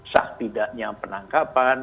sah tidaknya penangkapan